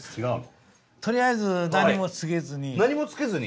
とりあえず何もつけずに。